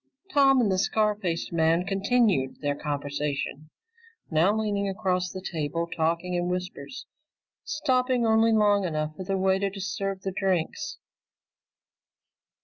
Tom and the scar faced man continued their conversation, now leaning across the table talking in whispers, stopping only long enough for the waiter to serve the drinks.